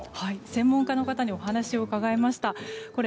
専門家の方にお話を伺いました。